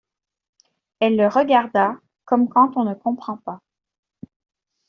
Elle le regarda comme quand on ne comprend pas.